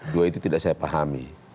dua itu tidak saya pahami